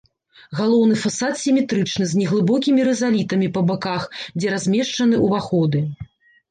Галоўны фасад сіметрычны, з неглыбокімі рызалітамі па баках, дзе размешчаны ўваходы.